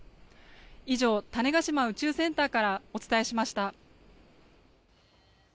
以上、種子島宇宙センターからお伝えしました。